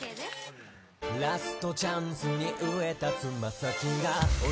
「ラストチャンスに飢えたつま先が」